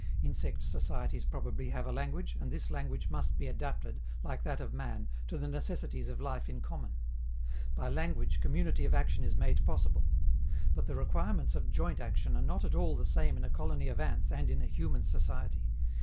Insect societies probably have a language, and this language must be adapted, like that of man, to the necessities of life in common. By language community of action is made possible. But the requirements of joint action are not at all the same in a colony of ants and in a human society.